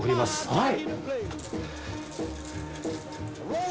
はい。